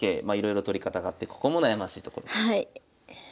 まあいろいろ取り方があってここも悩ましいところです。